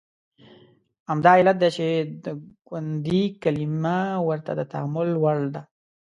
همدا علت دی چې د ګوندي کلمه ورته د تامل وړ ده.